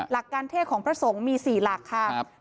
หลักการเทศของพระสงฆ์มี๔หลักค่ะ